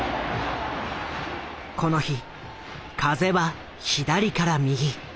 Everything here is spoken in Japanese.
この日風は左から右。